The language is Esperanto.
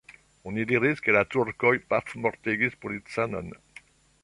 Oni diris, ke la turkoj pafmortigis policanon.